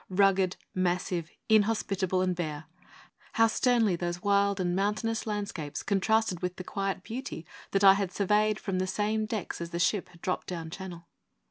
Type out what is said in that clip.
Rugged, massive, inhospitable, and bare, how sternly those wild and mountainous landscapes contrasted with the quiet beauty that I had surveyed from the same decks as the ship had dropped down Channel!